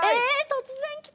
突然来た。